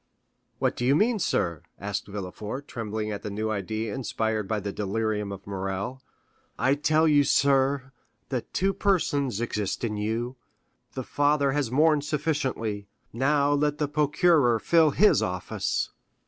"What do you mean, sir?" asked Villefort, trembling at the new idea inspired by the delirium of Morrel. "I tell you, sir, that two persons exist in you; the father has mourned sufficiently, now let the procureur fulfil his office."